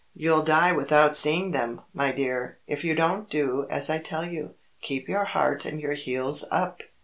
"You'll die without seeing them, my dear, if you don't do as I tell you. Keep your heart and your heels up."